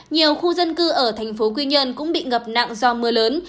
nhiều khu dân cư ở thành phố quy nhơn cũng bị ngập nặng do mưa lớn